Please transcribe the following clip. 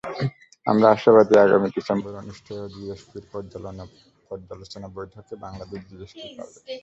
আমরা আশাবাদী, আগামী ডিসেম্বরে অনুষ্ঠেয় জিএসপির পর্যালোচনা বৈঠকে বাংলাদেশ জিএসপি পাবে।